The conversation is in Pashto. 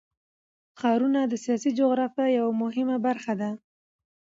ښارونه د سیاسي جغرافیه یوه مهمه برخه ده.